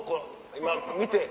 今見て。